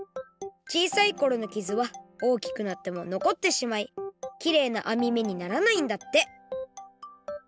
小さいころのきずはおおきくなってものこってしまいきれいなあみめにならないんだって。